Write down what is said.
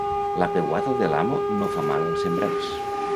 La peuada de l'amo no fa mal als sembrats.